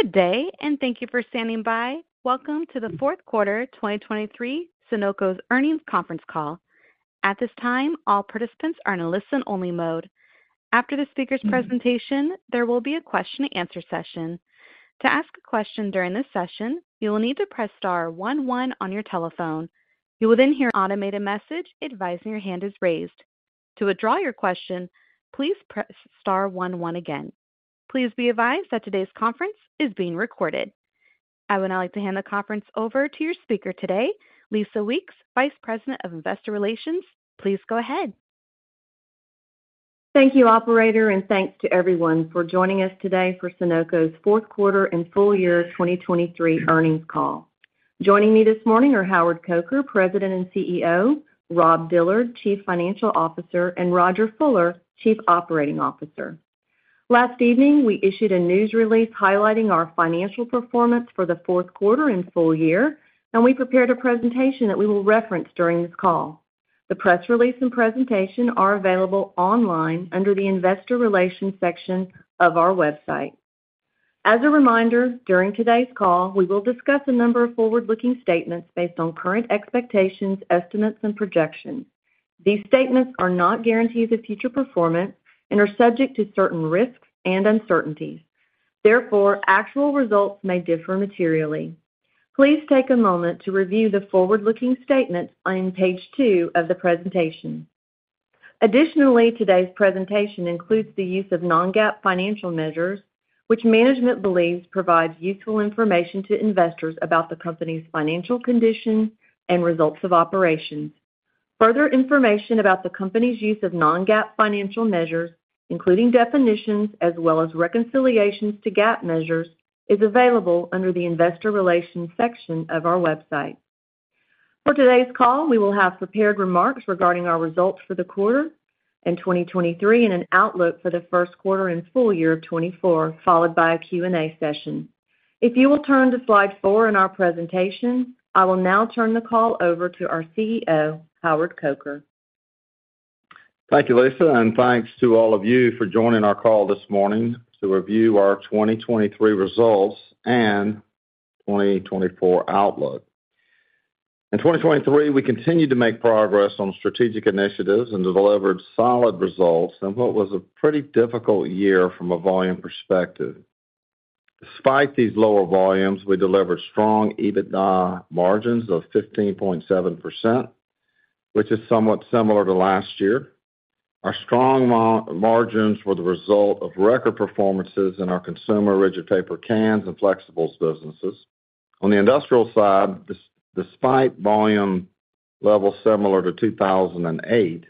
Good day, and thank you for standing by. Welcome to the fourth quarter 2023 Sonoco's earnings conference call. At this time, all participants are in a listen-only mode. After the speaker's presentation, there will be a question-and-answer session. To ask a question during this session, you will need to press star 11 on your telephone. You will then hear an automated message advising your hand is raised. To withdraw your question, please press star 11 again. Please be advised that today's conference is being recorded. I would now like to hand the conference over to your speaker today, Lisa Weeks, Vice President of Investor Relations. Please go ahead. Thank you, operator, and thanks to everyone for joining us today for Sonoco's fourth quarter and full year 2023 earnings call. Joining me this morning are Howard Coker, President and CEO; Rob Dillard, Chief Financial Officer; and Rodger Fuller, Chief Operating Officer. Last evening, we issued a news release highlighting our financial performance for the fourth quarter and full year, and we prepared a presentation that we will reference during this call. The press release and presentation are available online under the Investor Relations section of our website. As a reminder, during today's call, we will discuss a number of forward-looking statements based on current expectations, estimates, and projections. These statements are not guarantees of future performance and are subject to certain risks and uncertainties. Therefore, actual results may differ materially. Please take a moment to review the forward-looking statements on page two of the presentation. Additionally, today's presentation includes the use of non-GAAP financial measures, which management believes provides useful information to investors about the company's financial condition and results of operations. Further information about the company's use of non-GAAP financial measures, including definitions as well as reconciliations to GAAP measures, is available under the Investor Relations section of our website. For today's call, we will have prepared remarks regarding our results for the quarter and 2023 and an outlook for the first quarter and full year of 2024, followed by a Q&A session. If you will turn to slide four in our presentation, I will now turn the call over to our CEO, Howard Coker. Thank you, Lisa, and thanks to all of you for joining our call this morning to review our 2023 results and 2024 outlook. In 2023, we continued to make progress on strategic initiatives and delivered solid results in what was a pretty difficult year from a volume perspective. Despite these lower volumes, we delivered strong EBITDA margins of 15.7%, which is somewhat similar to last year. Our strong margins were the result of record performances in our consumer rigid paper cans and flexibles businesses. On the industrial side, despite volume levels similar to 2008,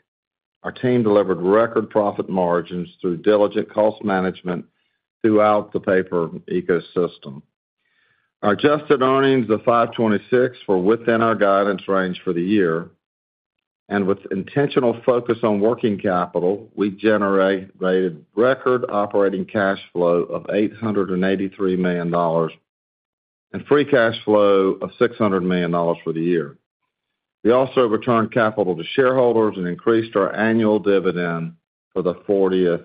our team delivered record profit margins through diligent cost management throughout the paper ecosystem. Our adjusted earnings of $526 million were within our guidance range for the year, and with intentional focus on working capital, we generated record operating cash flow of $883 million and free cash flow of $600 million for the year. We also returned capital to shareholders and increased our annual dividend for the 40th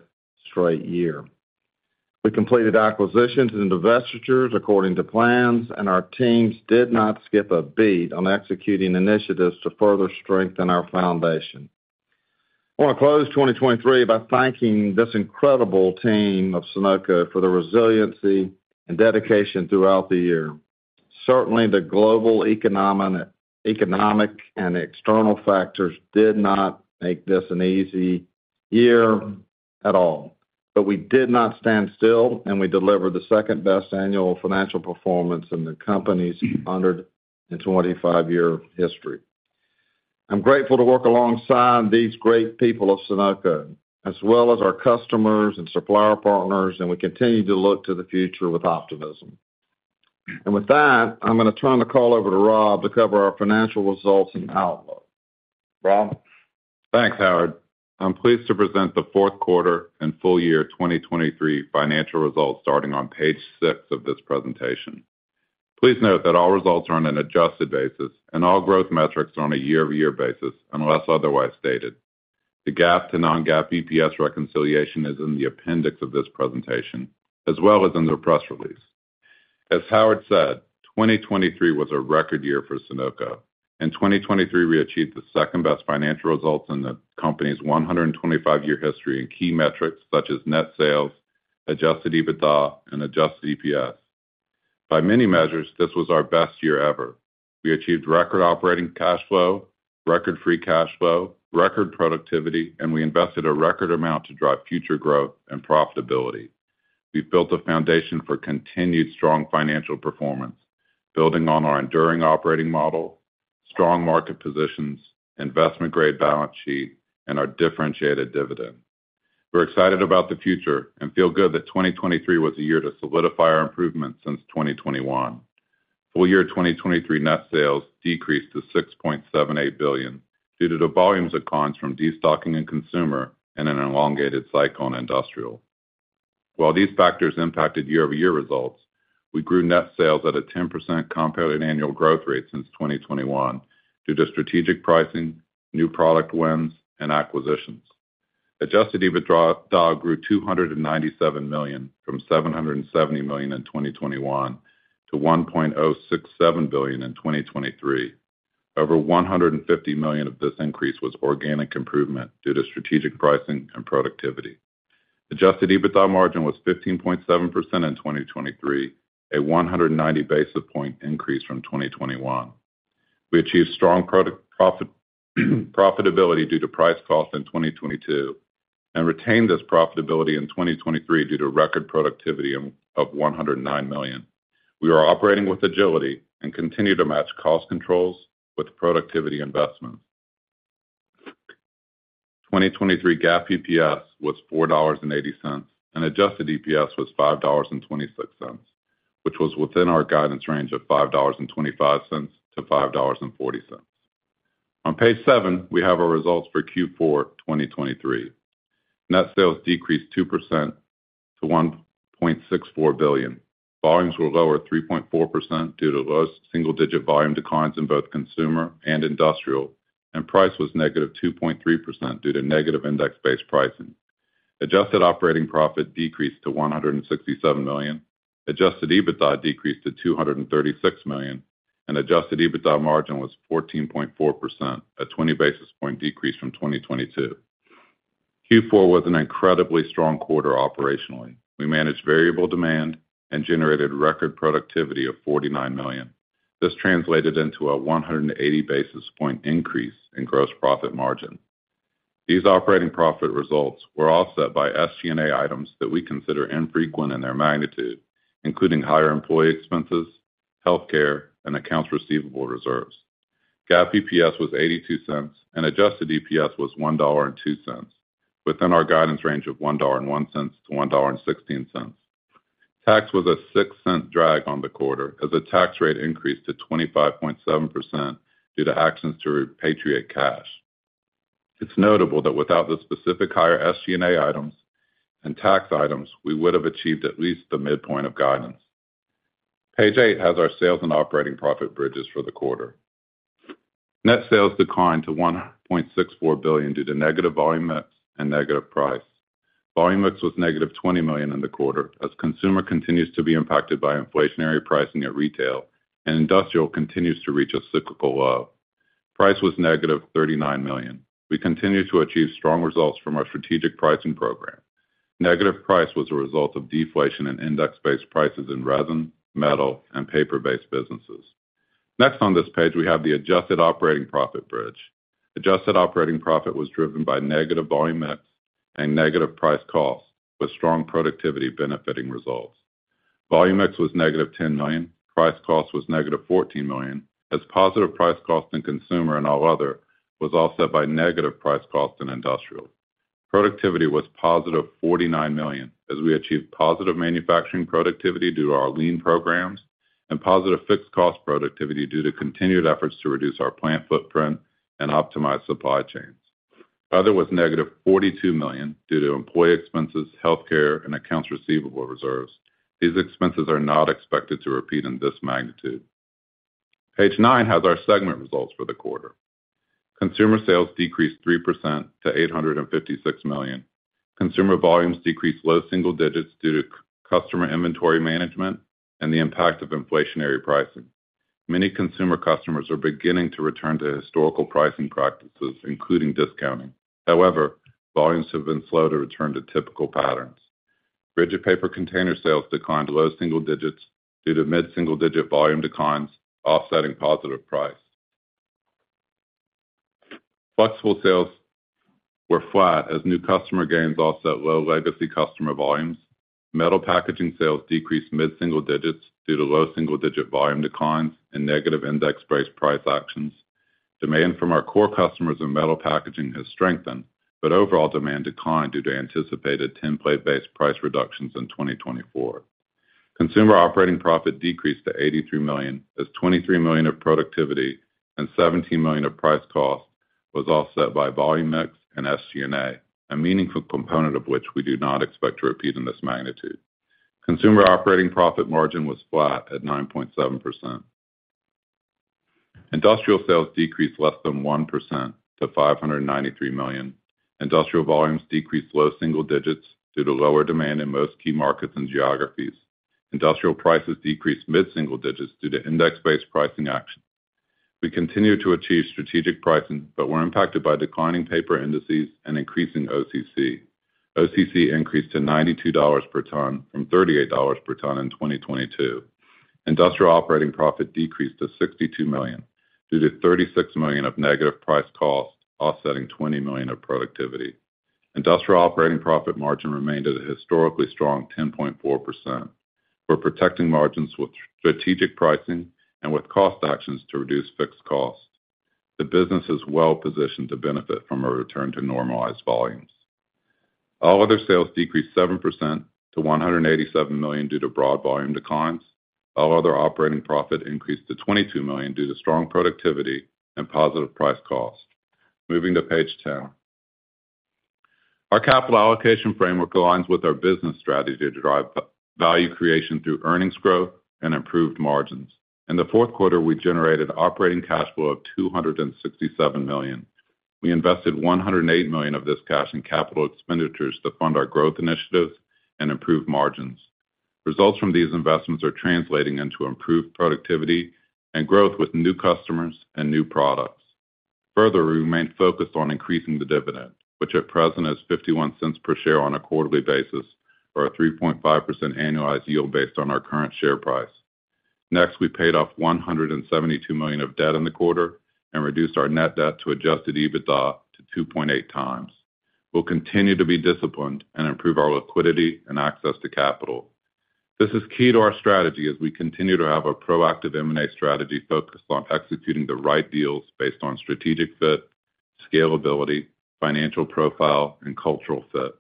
straight year. We completed acquisitions and divestitures according to plans, and our teams did not skip a beat on executing initiatives to further strengthen our foundation. I want to close 2023 by thanking this incredible team of Sonoco for the resiliency and dedication throughout the year. Certainly, the global economic and external factors did not make this an easy year at all, but we did not stand still, and we delivered the second best annual financial performance in the company's 125-year history. I'm grateful to work alongside these great people of Sonoco as well as our customers and supplier partners, and we continue to look to the future with optimism. With that, I'm going to turn the call over to Rob to cover our financial results and outlook. Rob? Thanks, Howard. I'm pleased to present the fourth quarter and full year 2023 financial results starting on page 6 of this presentation. Please note that all results are on an adjusted basis, and all growth metrics are on a year-over-year basis unless otherwise stated. The GAAP to non-GAAP EPS reconciliation is in the appendix of this presentation as well as in the press release. As Howard said, 2023 was a record year for Sonoco, and 2023 reached the second best financial results in the company's 125-year history in key metrics such as net sales, adjusted EBITDA, and adjusted EPS. By many measures, this was our best year ever. We achieved record operating cash flow, record free cash flow, record productivity, and we invested a record amount to drive future growth and profitability. We've built a foundation for continued strong financial performance, building on our enduring operating model, strong market positions, investment-grade balance sheet, and our differentiated dividend. We're excited about the future and feel good that 2023 was a year to solidify our improvements since 2021. Full year 2023 net sales decreased to $6.78 billion due to the volume declines from destocking in consumer and an elongated cycle in industrial. While these factors impacted year-over-year results, we grew net sales at a 10% compounded annual growth rate since 2021 due to strategic pricing, new product wins, and acquisitions. Adjusted EBITDA grew $297 million from $770 million in 2021 to $1.067 billion in 2023. Over $150 million of this increase was organic improvement due to strategic pricing and productivity. Adjusted EBITDA margin was 15.7% in 2023, a 190 basis point increase from 2021. We achieved strong profitability due to price costs in 2022 and retained this profitability in 2023 due to record productivity of $109 million. We are operating with agility and continue to match cost controls with productivity investments. 2023 GAAP EPS was $4.80, and adjusted EPS was $5.26, which was within our guidance range of 5.25 to $5.40. On page seven, we have our results for Q4 2023. Net sales decreased 2% to $1.64 billion. Volumes were lower 3.4% due to single-digit volume declines in both consumer and industrial, and price was negative 2.3% due to negative index-based pricing. Adjusted operating profit decreased to $167 million, Adjusted EBITDA decreased to $236 million, and Adjusted EBITDA margin was 14.4%, a 20 basis point decrease from 2022. Q4 was an incredibly strong quarter operationally. We managed variable demand and generated record productivity of $49 million. This translated into a 180 basis point increase in gross profit margin. These operating profit results were offset by SG&A items that we consider infrequent in their magnitude, including higher employee expenses, healthcare, and accounts receivable reserves. GAAP EPS was $0.82, and adjusted EPS was $1.02, within our guidance range of 1.01 to $1.16. Tax was a $0.06 drag on the quarter as the tax rate increased to 25.7% due to actions to repatriate cash. It's notable that without the specific higher SG&A items and tax items, we would have achieved at least the midpoint of guidance. Page eight has our sales and operating profit bridges for the quarter. Net sales declined to $1.64 billion due to negative volume mix and negative price. Volume mix was negative $20 million in the quarter as consumer continues to be impacted by inflationary pricing at retail, and industrial continues to reach a cyclical low. Price was negative $39 million. We continue to achieve strong results from our strategic pricing program. Negative price was a result of deflation and index-based prices in resin, metal, and paper-based businesses. Next on this page, we have the adjusted operating profit bridge. Adjusted operating profit was driven by negative volume mix and negative price costs, with strong productivity benefiting results. Volume mix was negative $10 million. Price cost was negative $14 million, as positive price cost in consumer and all other was offset by negative price cost in industrial. Productivity was positive $49 million as we achieved positive manufacturing productivity due to our lean programs and positive fixed cost productivity due to continued efforts to reduce our plant footprint and optimize supply chains. Other was negative $42 million due to employee expenses, healthcare, and accounts receivable reserves. These expenses are not expected to repeat in this magnitude. Page nine has our segment results for the quarter. Consumer sales decreased 3% to $856 million. Consumer volumes decreased low single digits due to customer inventory management and the impact of inflationary pricing. Many consumer customers are beginning to return to historical pricing practices, including discounting. However, volumes have been slow to return to typical patterns. Rigid paper container sales declined low single digits due to mid-single digit volume declines, offsetting positive price. Flexible sales were flat as new customer gains offset low legacy customer volumes. Metal packaging sales decreased mid-single digits due to low single digit volume declines and negative index-based price actions. Demand from our core customers in metal packaging has strengthened, but overall demand declined due to anticipated template-based price reductions in 2024. Consumer operating profit decreased to $83 million as $23 million of productivity and $17 million of price cost was offset by volume mix and SG&A, a meaningful component of which we do not expect to repeat in this magnitude. Consumer operating profit margin was flat at 9.7%. Industrial sales decreased less than 1% to $593 million. Industrial volumes decreased low single digits due to lower demand in most key markets and geographies. Industrial prices decreased mid-single digits due to index-based pricing actions. We continue to achieve strategic pricing, but we're impacted by declining paper indices and increasing OCC. OCC increased to $92 per ton from $38 per ton in 2022. Industrial operating profit decreased to $62 million due to $36 million of negative price cost, offsetting $20 million of productivity. Industrial operating profit margin remained at a historically strong 10.4%. We're protecting margins with strategic pricing and with cost actions to reduce fixed cost. The business is well positioned to benefit from a return to normalized volumes. All other sales decreased 7% to $187 million due to broad volume declines. All other operating profit increased to $22 million due to strong productivity and positive price cost. Moving to page 10. Our capital allocation framework aligns with our business strategy to drive value creation through earnings growth and improved margins. In the fourth quarter, we generated operating cash flow of $267 million. We invested $108 million of this cash in capital expenditures to fund our growth initiatives and improve margins. Results from these investments are translating into improved productivity and growth with new customers and new products. Further, we remained focused on increasing the dividend, which at present is $0.51 per share on a quarterly basis or a 3.5% annualized yield based on our current share price. Next, we paid off $172 million of debt in the quarter and reduced our net debt to Adjusted EBITDA to 2.8 times. We'll continue to be disciplined and improve our liquidity and access to capital. This is key to our strategy as we continue to have a proactive M&A strategy focused on executing the right deals based on strategic fit, scalability, financial profile, and cultural fit.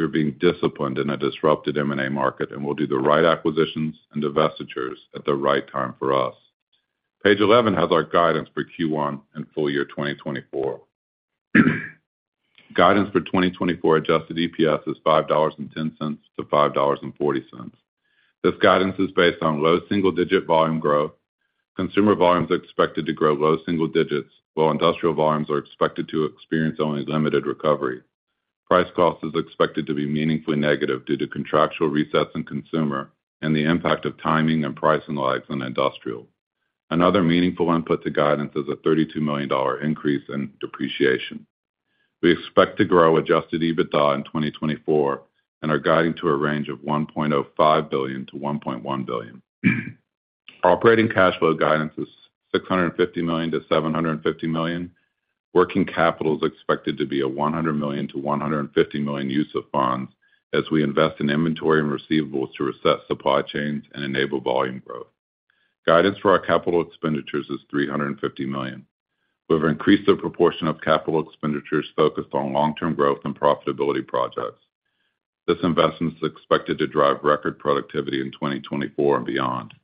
We are being disciplined in a disrupted M&A market, and we'll do the right acquisitions and divestitures at the right time for us. Page 11 has our guidance for Q1 and full year 2024. Guidance for 2024 Adjusted EPS is 5.10 to $5.40. This guidance is based on low single digit volume growth. Consumer volumes are expected to grow low single digits, while industrial volumes are expected to experience only limited recovery. Price Cost is expected to be meaningfully negative due to contractual resets in consumer and the impact of timing and pricing lags in industrial. Another meaningful input to guidance is a $32 million increase in depreciation. We expect to grow Adjusted EBITDA in 2024 and are guiding to a range of 1.05 billion to $1.1 billion. Operating cash flow guidance is 650 million to $750 million. Working capital is expected to be a 100 million to $150 million use of funds as we invest in inventory and receivables to reset supply chains and enable volume growth. Guidance for our capital expenditures is $350 million. We've increased the proportion of capital expenditures focused on long-term growth and profitability projects. This investment is expected to drive record productivity in 2024 and beyond.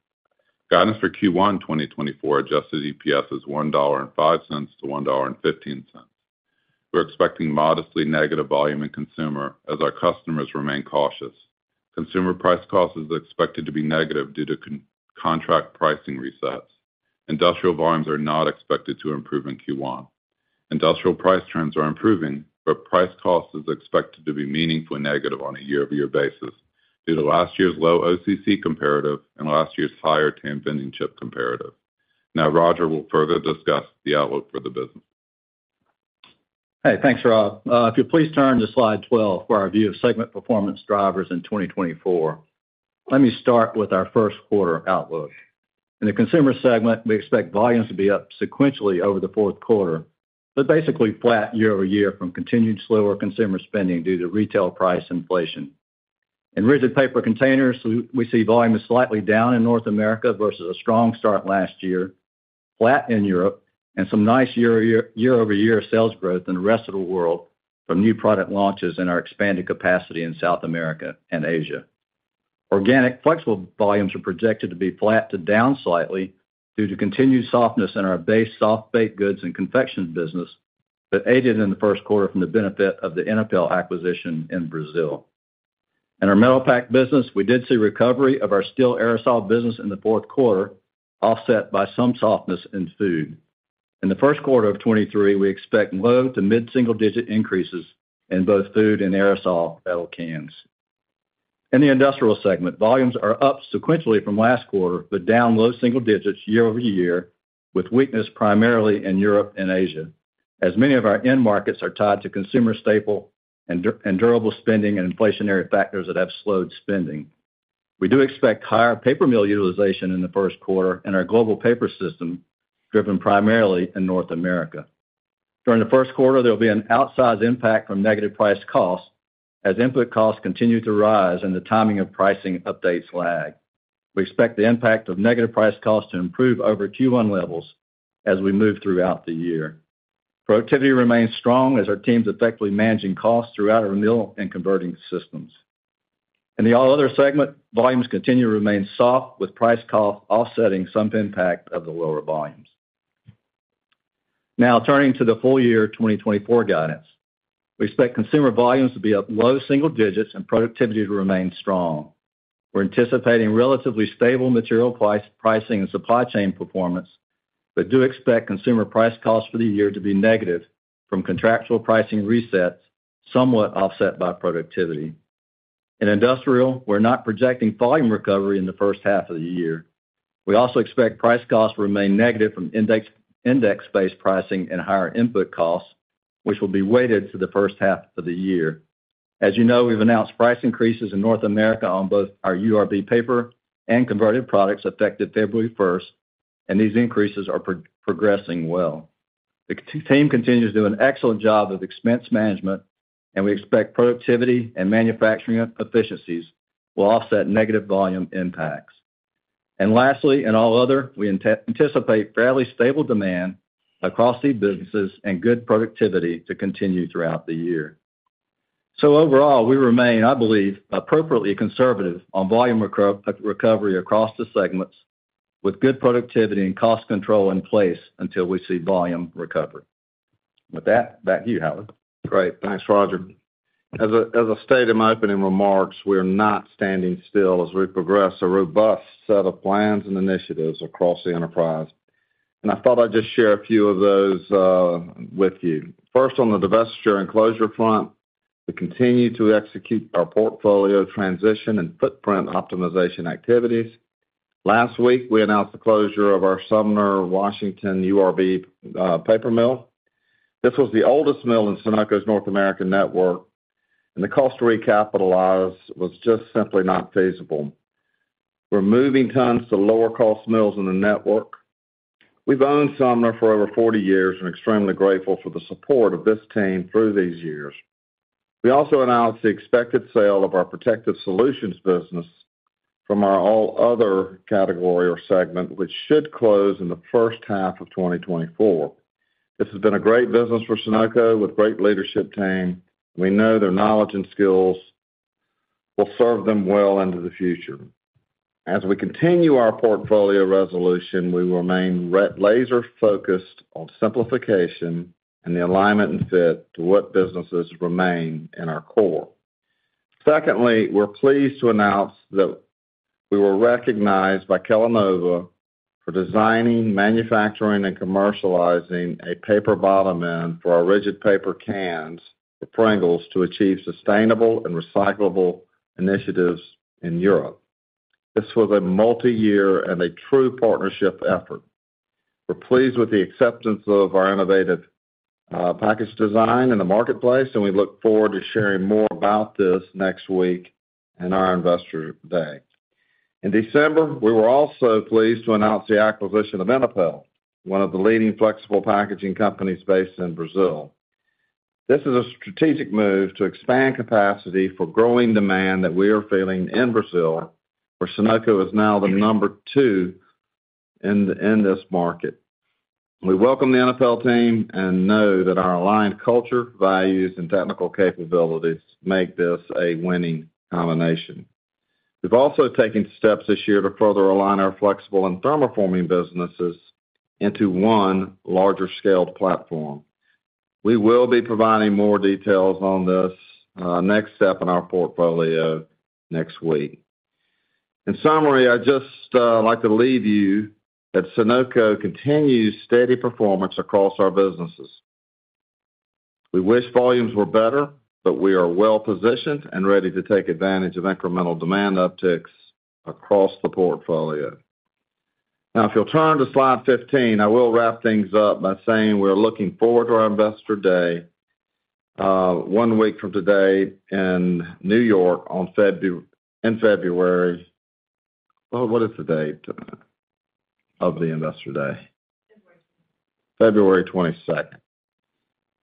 Guidance for Q1 2024 Adjusted EPS is 1.05 to $1.15. We're expecting modestly negative volume in consumer as our customers remain cautious. Consumer price cost is expected to be negative due to contract pricing resets. Industrial volumes are not expected to improve in Q1. Industrial price trends are improving, but price cost is expected to be meaningfully negative on a year-over-year basis due to last year's low OCC comparative and last year's higher TAM vending chip comparative. Now, Rodger will further discuss the outlook for the business. Hey, thanks, Rob. If you'll please turn to slide 12 for our view of segment performance drivers in 2024. Let me start with our first quarter outlook. In the consumer segment, we expect volumes to be up sequentially over the fourth quarter, but basically flat year-over-year from continued slower consumer spending due to retail price inflation. In rigid paper containers, we see volumes slightly down in North America versus a strong start last year, flat in Europe, and some nice year-over-year sales growth in the rest of the world from new product launches and our expanded capacity in South America and Asia. Organic flexible volumes are projected to be flat to down slightly due to continued softness in our base soft-bake goods and confection business that aided in the first quarter from the benefit of the Innapell acquisition in Brazil. In our metal pack business, we did see recovery of our steel aerosol business in the fourth quarter, offset by some softness in food. In the first quarter of 2023, we expect low- to mid-single-digit increases in both food and aerosol metal cans. In the industrial segment, volumes are up sequentially from last quarter but down low single-digits year-over-year, with weakness primarily in Europe and Asia, as many of our end markets are tied to consumer staple and durable spending and inflationary factors that have slowed spending. We do expect higher paper mill utilization in the first quarter in our global paper system, driven primarily in North America. During the first quarter, there will be an outsized impact from negative price cost as input costs continue to rise and the timing of pricing updates lag. We expect the impact of negative price cost to improve over Q1 levels as we move throughout the year. Productivity remains strong as our teams effectively managing costs throughout our mill and converting systems. In the all-other segment, volumes continue to remain soft, with price cost offsetting some impact of the lower volumes. Now, turning to the full year 2024 guidance, we expect consumer volumes to be up low single digits and productivity to remain strong. We're anticipating relatively stable material pricing and supply chain performance, but do expect consumer price costs for the year to be negative from contractual pricing resets, somewhat offset by productivity. In industrial, we're not projecting volume recovery in the first half of the year. We also expect price costs to remain negative from index-based pricing and higher input costs, which will be weighted to the first half of the year. As you know, we've announced price increases in North America on both our URB paper and converted products effective February 1st, and these increases are progressing well. The team continues to do an excellent job of expense management, and we expect productivity and manufacturing efficiencies will offset negative volume impacts. Lastly, in all other, we anticipate fairly stable demand across these businesses and good productivity to continue throughout the year. Overall, we remain, I believe, appropriately conservative on volume recovery across the segments, with good productivity and cost control in place until we see volume recover. With that, back to you, Howard. Great. Thanks, Rodger. As I stated in my opening remarks, we are not standing still as we progress a robust set of plans and initiatives across the enterprise. I thought I'd just share a few of those with you. First, on the divestiture and closure front, we continue to execute our portfolio transition and footprint optimization activities. Last week, we announced the closure of our Sumner, Washington URB paper mill. This was the oldest mill in Sonoco's North American network, and the cost to recapitalize was just simply not feasible. We're moving tons to lower-cost mills in the network. We've owned Sumner for over 40 years and are extremely grateful for the support of this team through these years. We also announced the expected sale of our protective solutions business from our all-other category or segment, which should close in the first half of 2024. This has been a great business for Sonoco with a great leadership team, and we know their knowledge and skills will serve them well into the future. As we continue our portfolio resolution, we remain laser-focused on simplification and the alignment and fit to what businesses remain in our core. Secondly, we're pleased to announce that we were recognized by Kellanova for designing, manufacturing, and commercializing a paper bottom end for our rigid paper cans for Pringles to achieve sustainable and recyclable initiatives in Europe. This was a multi-year and a true partnership effort. We're pleased with the acceptance of our innovative package design in the marketplace, and we look forward to sharing more about this next week in our Investor Day. In December, we were also pleased to announce the acquisition of Innapell, one of the leading flexible packaging companies based in Brazil. This is a strategic move to expand capacity for growing demand that we are feeling in Brazil, where Sonoco is now the number two in this market. We welcome the Innapell team and know that our aligned culture, values, and technical capabilities make this a winning combination. We've also taken steps this year to further align our flexible and thermoforming businesses into one larger-scaled platform. We will be providing more details on this next step in our portfolio next week. In summary, I'd just like to leave you that Sonoco continues steady performance across our businesses. We wish volumes were better, but we are well positioned and ready to take advantage of incremental demand upticks across the portfolio. Now, if you'll turn to slide 15, I will wrap things up by saying we're looking forward to our Investor Day one week from today in New York in February. What is the date of the Investor Day? February 22nd.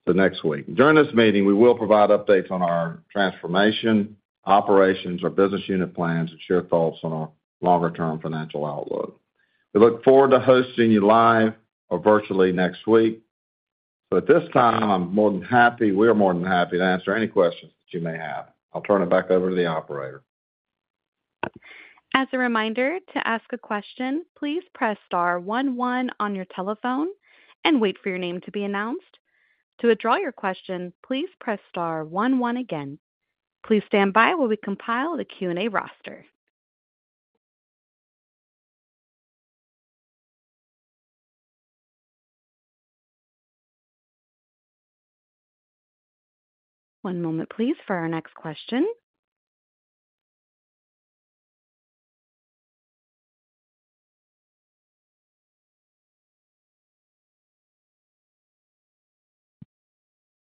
February 22nd. So next week. During this meeting, we will provide updates on our transformation, operations, our business unit plans, and share thoughts on our longer-term financial outlook. We look forward to hosting you live or virtually next week. So at this time, I'm more than happy we are more than happy to answer any questions that you may have. I'll turn it back over to the operator. As a reminder, to ask a question, please press star one, one on your telephone and wait for your name to be announced. To withdraw your question, please press star one, one again. Please stand by while we compile the Q&A roster. One moment, please, for our next question.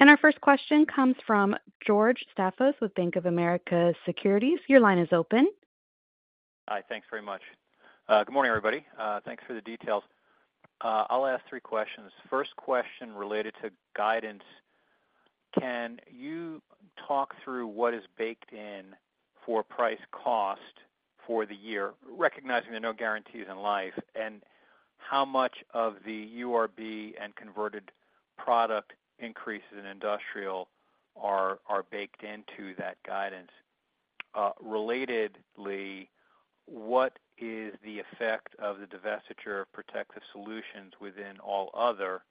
Our first question comes from George Staffos with Bank of America Securities. Your line is open. Hi, thanks very much. Good morning, everybody. Thanks for the details. I'll ask three questions. First question related to guidance. Can you talk through what is baked in for price cost for the year, recognizing there are no guarantees in life, and how much of the URB and converted product increases in industrial are baked into that guidance? Relatedly, what is the effect of the divestiture of protective solutions within all-other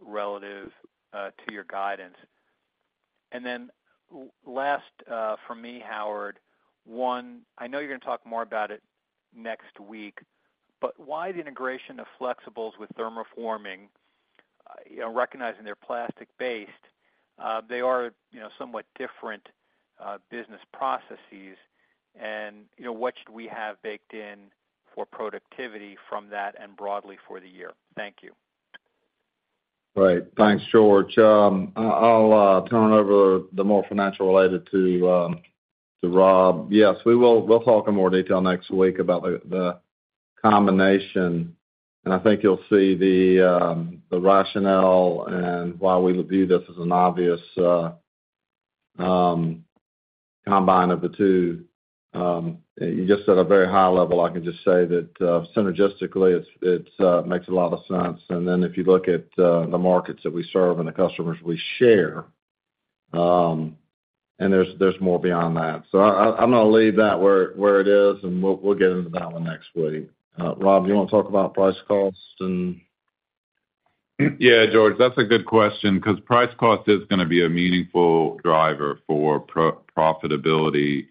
relative to your guidance? And then last from me, Howard, one I know you're going to talk more about it next week, but why the integration of flexibles with thermoforming, recognizing they're plastic-based, they are somewhat different business processes, and what should we have baked in for productivity from that and broadly for the year? Thank you. Right. Thanks, George. I'll turn it over to the more financial-related to Rob. Yes, we'll talk in more detail next week about the combination, and I think you'll see the rationale and why we view this as an obvious combine of the two. You just said a very high level. I can just say that synergistically, it makes a lot of sense. And then if you look at the markets that we serve and the customers we share, and there's more beyond that. So I'm going to leave that where it is, and we'll get into that one next week. Rob, do you want to talk about Price Cost, and? Yeah, George, that's a good question because Price Cost is going to be a meaningful driver for profitability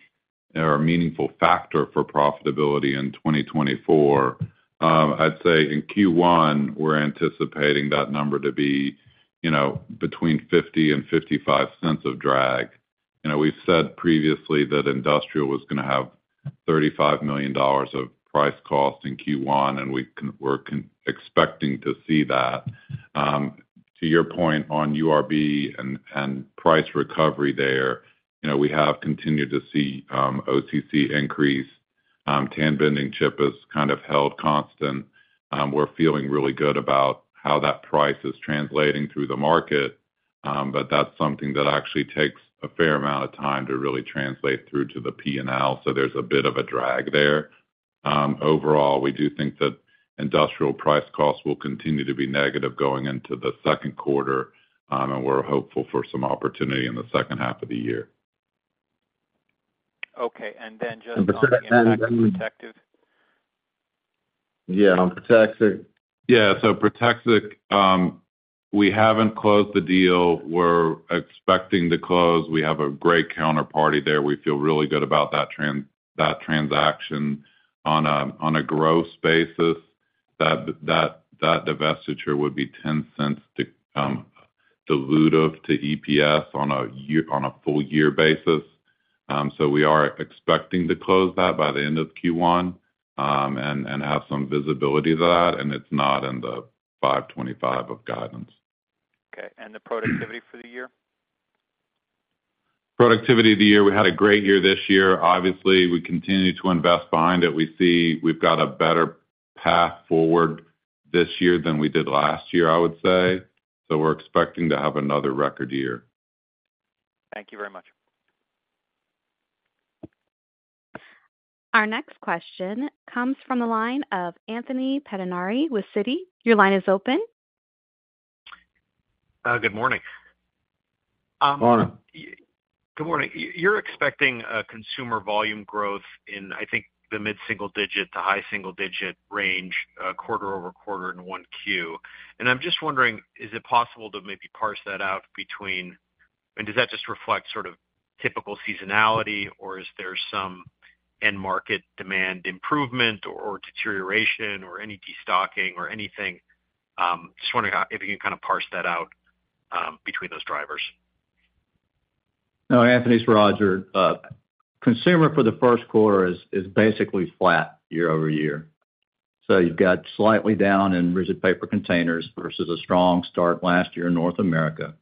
or a meaningful factor for profitability in 2024. I'd say in Q1, we're anticipating that number to be between $0.50 and $0.55 of drag. We've said previously that industrial was going to have $35 million of price cost in Q1, and we're expecting to see that. To your point on URB and price recovery there, we have continued to see OCC increase. TAM Vending Chip has kind of held constant. We're feeling really good about how that price is translating through the market, but that's something that actually takes a fair amount of time to really translate through to the P&L. So there's a bit of a drag there. Overall, we do think that industrial price cost will continue to be negative going into the second quarter, and we're hopeful for some opportunity in the second half of the year. Okay. And then just on the impact of protective? Yeah, on protective. Yeah. So protective, we haven't closed the deal. We're expecting to close. We have a great counterparty there. We feel really good about that transaction on a growth basis. That divestiture would be $0.10 dilutive to EPS on a full-year basis. So we are expecting to close that by the end of Q1 and have some visibility to that, and it's not in the $5.25 of guidance. Okay. And the productivity for the year? Productivity of the year, we had a great year this year. Obviously, we continue to invest behind it. We've got a better path forward this year than we did last year, I would say. So we're expecting to have another record year. Thank you very much. Our next question comes from the line of Anthony Pedinari with Citi. Your line is open. Good morning. Morning. Good morning. You're expecting consumer volume growth in, I think, the mid-single-digit to high-single-digit range quarter-over-quarter in Q1. I'm just wondering, is it possible to maybe parse that out between and does that just reflect sort of typical seasonality, or is there some end-market demand improvement or deterioration or any destocking or anything? Just wondering if you can kind of parse that out between those drivers. No, Anthony. Rodger. Consumer for the first quarter is basically flat year-over-year. So you've got slightly down in rigid paper containers versus a strong start last year in North America,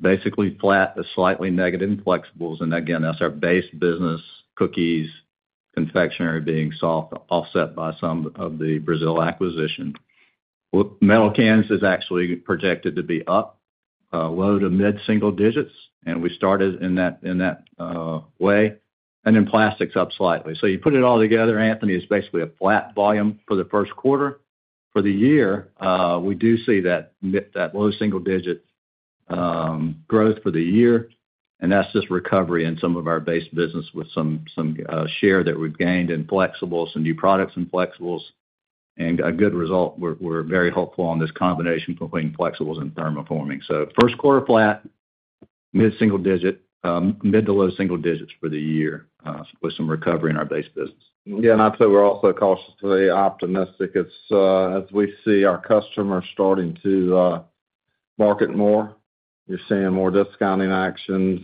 basically flat with slightly negative flexibles. And again, that's our base business, cookies, confectionery being offset by some of the Brazil acquisition. Metal cans is actually projected to be up low to mid-single digits, and we started in that way. And then plastic's up slightly. So you put it all together, Anthony, it's basically a flat volume for the first quarter. For the year, we do see that low single-digit growth for the year, and that's just recovery in some of our base business with some share that we've gained in flexibles, some new products in flexibles, and a good result. We're very hopeful on this combination between flexibles and thermoforming. So first quarter flat, mid-single-digit, mid- to low single-digits for the year with some recovery in our base business. Yeah. I'd say we're also cautiously optimistic. As we see our customers starting to market more, you're seeing more discounting actions.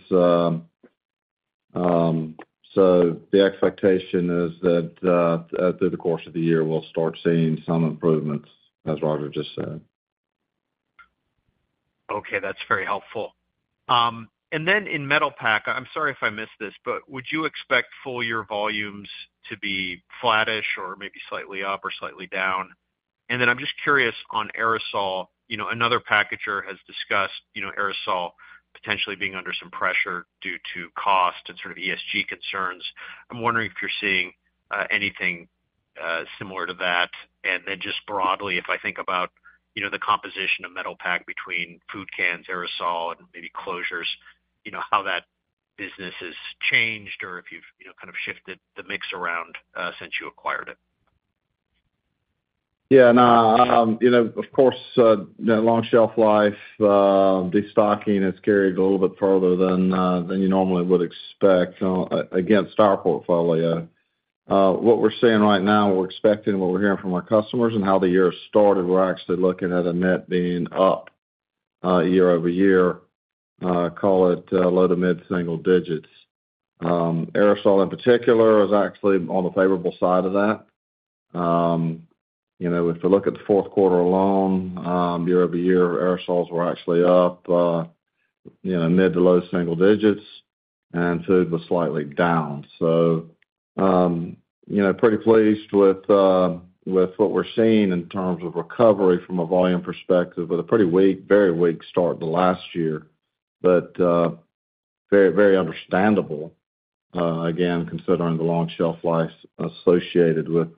So the expectation is that through the course of the year, we'll start seeing some improvements, as Roger just said. Okay. That's very helpful. And then in Metalpack, I'm sorry if I missed this, but would you expect full-year volumes to be flattish or maybe slightly up or slightly down? And then I'm just curious on aerosol. Another packager has discussed aerosol potentially being under some pressure due to cost and sort of ESG concerns. I'm wondering if you're seeing anything similar to that. And then just broadly, if I think about the composition of Metalpack between food cans, aerosol, and maybe closures, how that business has changed or if you've kind of shifted the mix around since you acquired it. Yeah. Now, of course, long shelf life, destocking has carried a little bit further than you normally would expect. Again, star portfolio. What we're seeing right now, what we're expecting, what we're hearing from our customers, and how the year has started, we're actually looking at a net being up year-over-year, call it low to mid-single digits. Aerosol in particular is actually on the favorable side of that. If we look at the fourth quarter alone, year-over-year, aerosols were actually up mid- to low-single digits, and food was slightly down. So pretty pleased with what we're seeing in terms of recovery from a volume perspective with a pretty weak, very weak start to last year, but very, very understandable, again, considering the long shelf life associated with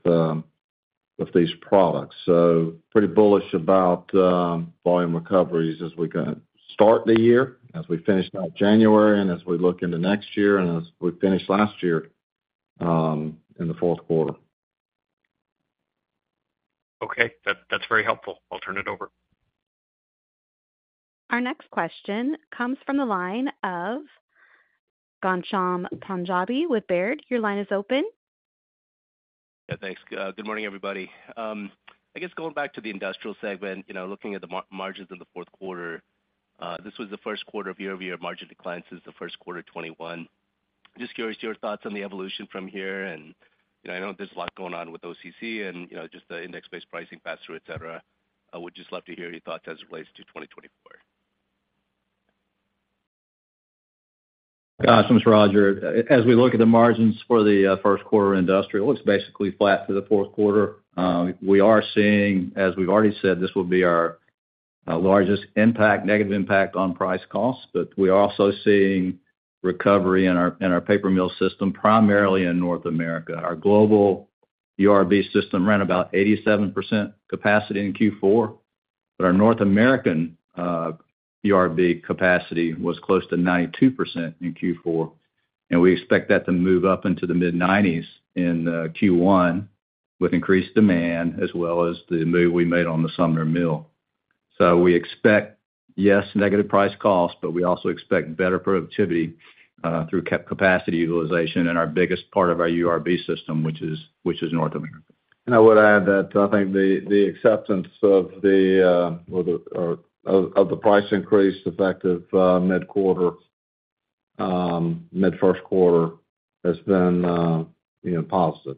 these products. So pretty bullish about volume recoveries as we start the year, as we finish out January, and as we look into next year, and as we finished last year in the fourth quarter. Okay. That's very helpful. I'll turn it over. Our next question comes from the line of Ghansham Panjabi with Baird. Your line is open. Yeah. Thanks. Good morning, everybody. I guess going back to the industrial segment, looking at the margins in the fourth quarter, this was the first quarter of year-over-year margin declines since the first quarter 2021. Just curious your thoughts on the evolution from here? And I know there's a lot going on with OCC and just the index-based pricing pass-through, etc. I would just love to hear your thoughts as it relates to 2024. Awesome, Roger. As we look at the margins for the first quarter industrial, it looks basically flat through the fourth quarter. We are seeing, as we've already said, this will be our largest impact, negative impact on price cost, but we are also seeing recovery in our paper mill system, primarily in North America. Our global URB system ran about 87% capacity in Q4, but our North American URB capacity was close to 92% in Q4. We expect that to move up into the mid-90s in Q1 with increased demand as well as the move we made on the Sumner Mill. We expect, yes, negative price cost, but we also expect better productivity through capacity utilization in our biggest part of our URB system, which is North America. I would add that I think the acceptance of the price increase effective mid-quarter, mid-first quarter has been positive.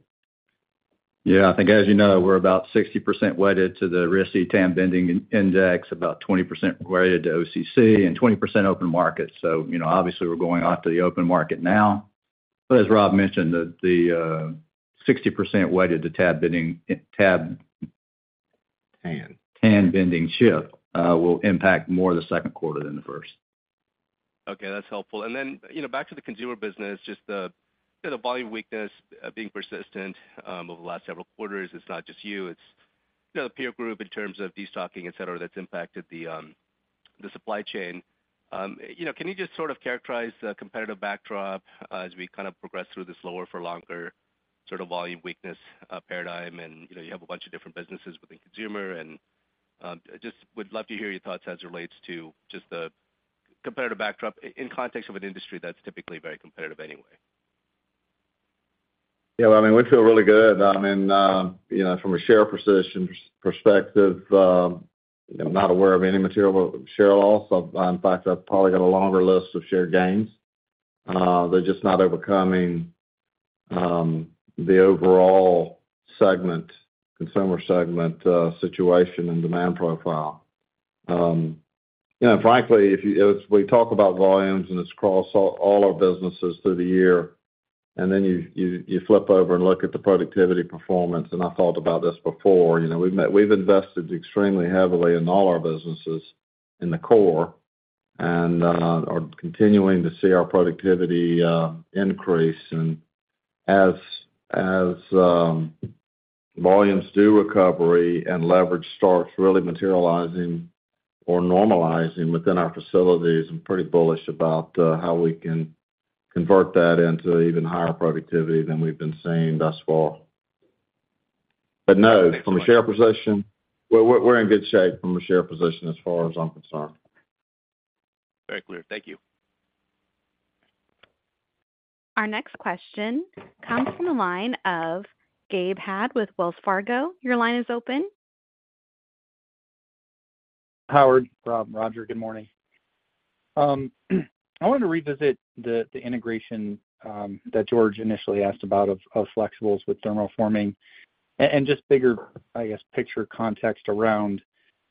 Yeah. I think, as you know, we're about 60% weighted to the risky TAM vending index, about 20% weighted to OCC, and 20% open market. Obviously, we're going off to the open market now. But as Rob mentioned, the 60% weighted to TAM vending TAM. TAM vending chip will impact more the second quarter than the first. Okay. That's helpful. And then back to the consumer business, just the volume weakness being persistent over the last several quarters. It's not just you. It's the peer group in terms of destocking, etc., that's impacted the supply chain. Can you just sort of characterize the competitive backdrop as we kind of progress through this lower-for-longer sort of volume weakness paradigm? And you have a bunch of different businesses within consumer, and just would love to hear your thoughts as it relates to just the competitive backdrop in context of an industry that's typically very competitive anyway. Yeah. Well, I mean, we feel really good. I mean, from a share position perspective, I'm not aware of any material share loss. In fact, I've probably got a longer list of share gains. They're just not overcoming the overall segment, consumer segment situation and demand profile. Frankly, if we talk about volumes and it's across all our businesses through the year, and then you flip over and look at the productivity performance - and I've thought about this before - we've invested extremely heavily in all our businesses in the core and are continuing to see our productivity increase. And as volumes do recovery and leverage starts really materializing or normalizing within our facilities, I'm pretty bullish about how we can convert that into even higher productivity than we've been seeing thus far. But no, from a share position, we're in good shape from a share position as far as I'm concerned. Very clear. Thank you. Our next question comes from the line of Gabe Hajde with Wells Fargo. Your line is open. Howard. Rob, Rodger. Good morning. I wanted to revisit the integration that George initially asked about of flexibles with thermoforming and just bigger, I guess, picture context around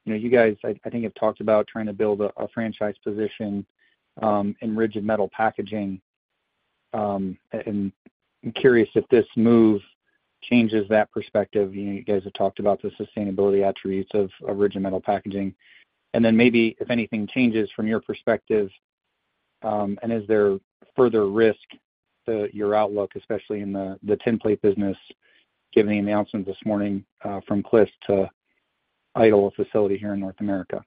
you guys. I think you guys have talked about trying to build a franchise position in rigid metal packaging. I'm curious if this move changes that perspective. You guys have talked about the sustainability attributes of rigid metal packaging. Then maybe, if anything, changes from your perspective, and is there further risk to your outlook, especially in the template business given the announcement this morning from Cliff to idle a facility here in North America?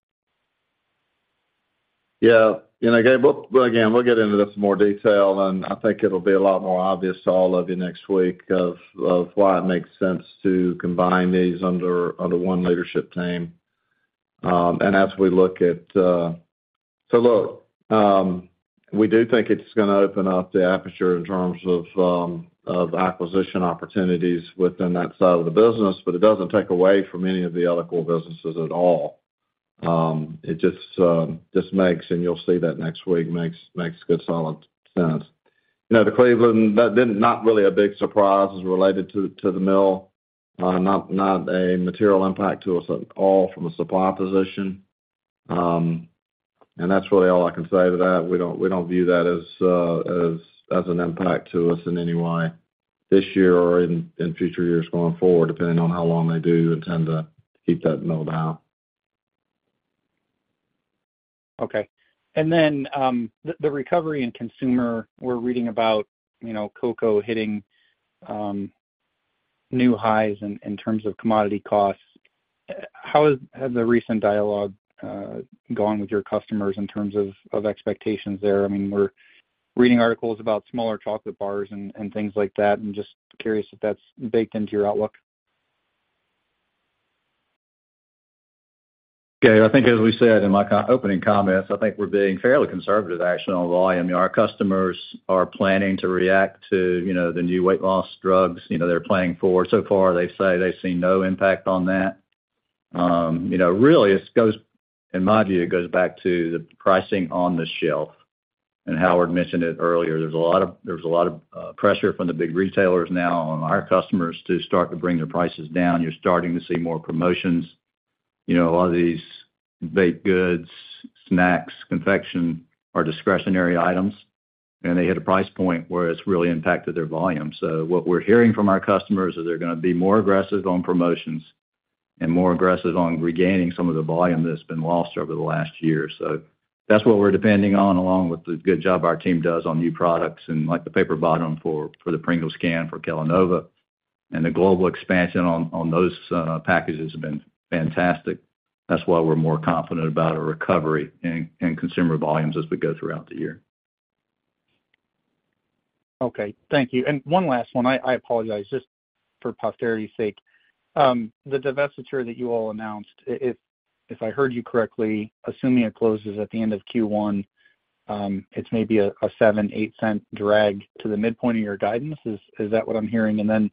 Yeah. Again, we'll get into this in more detail, and I think it'll be a lot more obvious to all of you next week of why it makes sense to combine these under one leadership team. And as we look at so look, we do think it's going to open up the aperture in terms of acquisition opportunities within that side of the business, but it doesn't take away from any of the other core businesses at all. It just makes - and you'll see that next week - makes good, solid sense. The Cleveland-Cliffs, that didn't not really a big surprise as related to the mill, not a material impact to us at all from a supply position. And that's really all I can say to that. We don't view that as an impact to us in any way this year or in future years going forward, depending on how long they do intend to keep that mill down. Okay. And then the recovery in consumer, we're reading about cocoa hitting new highs in terms of commodity costs. How has the recent dialogue gone with your customers in terms of expectations there? I mean, we're reading articles about smaller chocolate bars and things like that. I'm just curious if that's baked into your outlook. Okay. I think, as we said in my opening comments, I think we're being fairly conservative actually on volume. Our customers are planning to react to the new weight loss drugs they're planning for. So far, they say they've seen no impact on that. Really, in my view, it goes back to the pricing on the shelf. Howard mentioned it earlier. There's a lot of pressure from the big retailers now on our customers to start to bring their prices down. You're starting to see more promotions. A lot of these baked goods, snacks, confections are discretionary items, and they hit a price point where it's really impacted their volume. So what we're hearing from our customers is they're going to be more aggressive on promotions and more aggressive on regaining some of the volume that's been lost over the last year. So that's what we're depending on, along with the good job our team does on new products and the paper bottom for the Pringles can for Kellanova. And the global expansion on those packages has been fantastic. That's why we're more confident about a recovery in consumer volumes as we go throughout the year. Okay. Thank you. And one last one. I apologize just for posterity's sake. The divestiture that you all announced, if I heard you correctly, assuming it closes at the end of Q1, it's maybe a $0.07-$0.08 drag to the midpoint of your guidance. Is that what I'm hearing? And then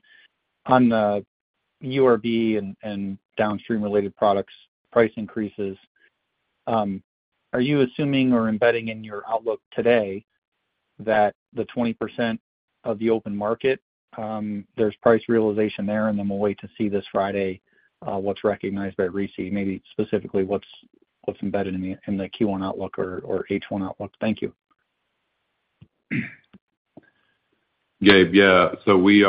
on the URB and downstream-related products price increases, are you assuming or embedding in your outlook today that the 20% of the open market, there's price realization there, and then we'll wait to see this Friday what's recognized by RISI, maybe specifically what's embedded in the Q1 outlook or H1 outlook? Thank you. Gabe, yeah. So we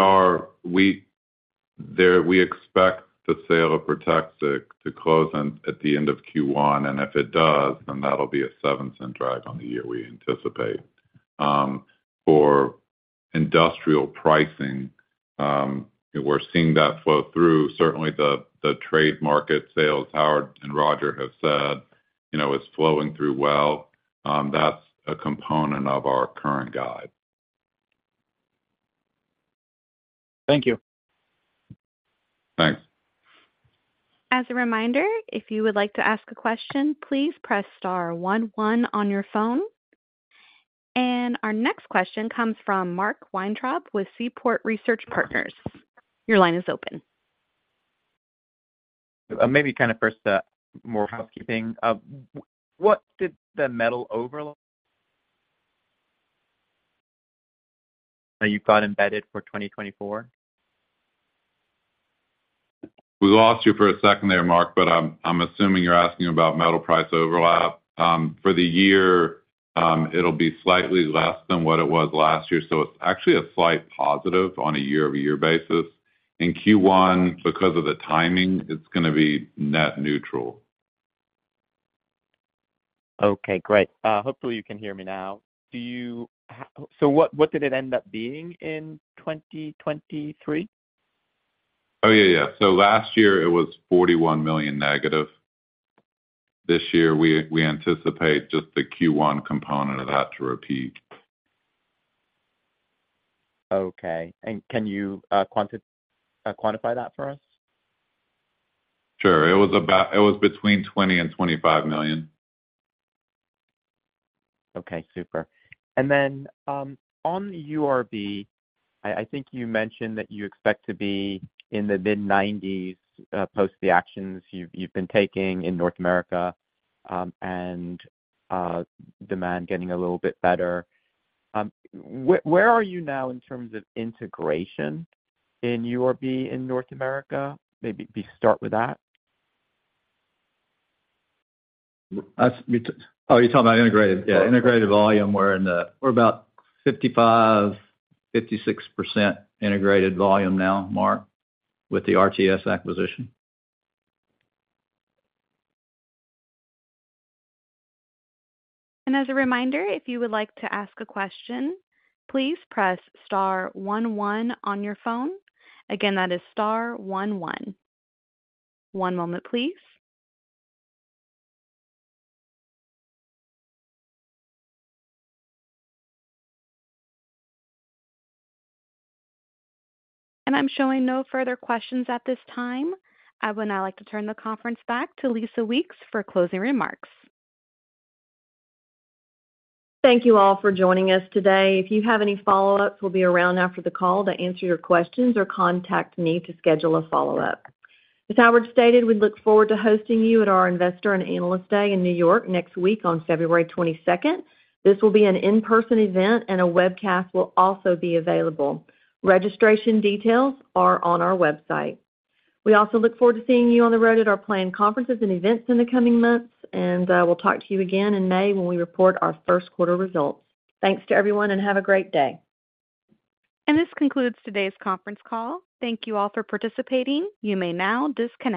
expect the sale of PROTEXIC to close at the end of Q1. And if it does, then that'll be a $0.07 drag on the year we anticipate. For industrial pricing, we're seeing that flow through. Certainly, the trade market sales, Howard and Rodger have said, is flowing through well. That's a component of our current guide. Thank you. Thanks. As a reminder, if you would like to ask a question, please press star one, one on your phone. And our next question comes from Mark Weintraub with Seaport Research Partners. Your line is open. Maybe kind of first more housekeeping. What did the metal overlap that you've got embedded for 2024? We lost you for a second there, Mark, but I'm assuming you're asking about metal price overlap. For the year, it'll be slightly less than what it was last year. So it's actually a slight positive on a year-over-year basis. In Q1, because of the timing, it's going to be net neutral. Okay. Great. Hopefully, you can hear me now. So what did it end up being in 2023? Oh, yeah, yeah. So last year, it was negative $41 million. This year, we anticipate just the Q1 component of that to repeat. Okay. And can you quantify that for us? Sure. It was between $20 million-$25 million. Okay. Super. And then on URB, I think you mentioned that you expect to be in the mid-90s% post the actions you've been taking in North America and demand getting a little bit better. Where are you now in terms of integration in URB in North America? Maybe start with that. Oh, you're talking about integrated. Yeah. Integrated volume, we're about 55%-56% integrated volume now, Mark, with the RTS acquisition. And as a reminder, if you would like to ask a question, please press star one, one on your phone. Again, that is star one, one. One moment, please. And I'm showing no further questions at this time. I would now like to turn the conference back to Lisa Weeks for closing remarks. Thank you all for joining us today. If you have any follow-ups, we'll be around after the call to answer your questions or contact me to schedule a follow-up. As Howard stated, we look forward to hosting you at our Investor and Analyst Day in New York next week on February 22nd. This will be an in-person event, and a webcast will also be available. Registration details are on our website. We also look forward to seeing you on the road at our planned conferences and events in the coming months. We'll talk to you again in May when we report our first-quarter results. Thanks to everyone, and have a great day. This concludes today's conference call. Thank you all for participating. You may now disconnect.